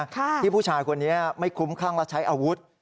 ที่ผู้ชายคนนี้ไม่คลุ้มคลั่งและใช้อาวุธ